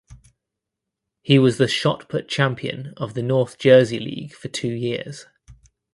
He was the shot put champion of the North Jersey League for two years.